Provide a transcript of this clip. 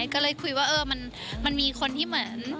ก็เลยคุยว่ามันมีคนที่เหมือน